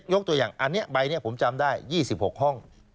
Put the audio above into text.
ตัวอย่างอันนี้ใบนี้ผมจำได้๒๖ห้อง